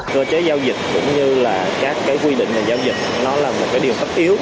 cơ chế giao dịch cũng như các quy định về giao dịch là một điều tấp yếu